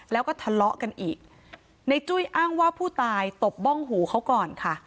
แล้วก็ทะเลาะกันอีกในจุ้ยอ้างว่าผู้ตายตบบ้องหูเขาก่อนค่ะ